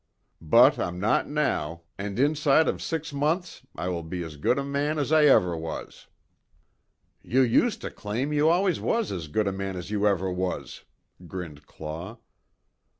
But I'm not now, and inside of six months I will be as good a man as I ever was." "You used to claim you always was as good a man as you ever was," grinned Claw.